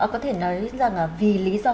có thể nói rằng vì lý do